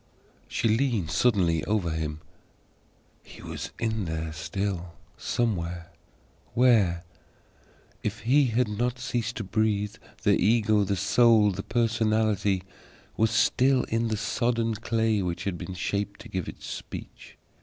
She leaned suddenly over him. HE was in there still, somewhere. Where? If he had not ceased to breathe, the Ego, the Soul, the Personality was still in the sodden clay which had shaped to give it speech.